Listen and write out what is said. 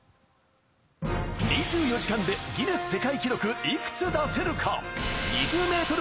２４時間でギネス世界記録いくつ出せるか？